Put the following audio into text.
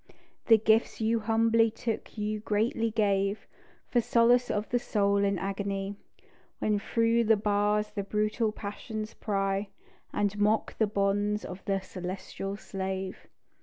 The gifts you humbly took you greatly gave, For solace of the soul in agony, When through the bars the brutal passions pry, And mock the bonds of the celestial slave.